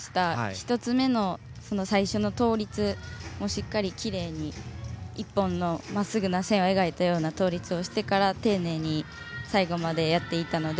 １つ目の最初の倒立もしっかりきれいに１本のまっすぐな線を描いたような倒立をしてから丁寧に最後までやっていたので。